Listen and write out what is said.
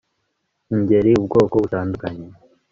ingeri ubwoko butandukanye